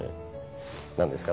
何ですか？